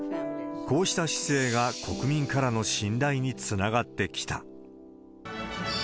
こうした姿勢が国民からの信頼につながってきた。